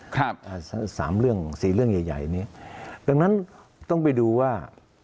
สามเรื่องสี่เรื่องใหญ่นี้ดังนั้นต้องไปดูว่า